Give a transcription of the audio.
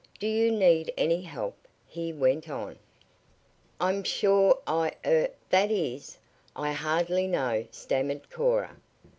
"Do you need any help?" he went on. "I'm sure I er that is, I hardly know," stammered Cora.